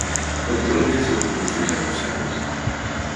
Quant dura el viatge en autobús fins a Capçanes?